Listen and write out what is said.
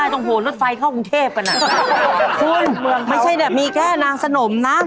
ใส่ต้องหัวรถไฟเข้ากรุงเทพกันไม่ใช่มีแค่นางสนมนะ